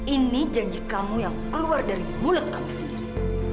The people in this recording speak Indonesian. ini janji kamu yang keluar dari mulut kamu sendiri